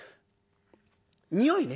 においね。